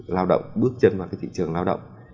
lao động bước chân vào cái thị trường lao động